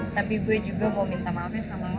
tapi gue juga mau minta maafnya sama lo